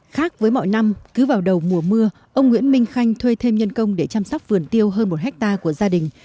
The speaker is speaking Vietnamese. khác với mọi năm cứ vào đầu mùa mưa ông nguyễn minh khanh thuê thêm nhân công để chăm sóc vườn tiêu hơn một hectare của gia đình